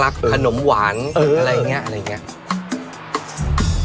ขนมหวานอะไรอย่างนี้อะไรอย่างนี้